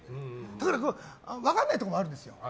ところが分からないところもあるんですよ。